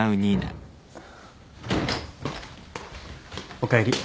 ・おかえり。